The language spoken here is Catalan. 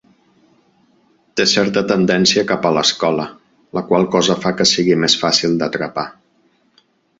Té certa tendència cap a l'escola, la qual cosa fa que sigui més fàcil d'atrapar.